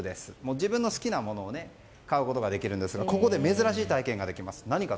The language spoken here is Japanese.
自分の好きなものを買うことができるんですがここで珍しい体験ができます。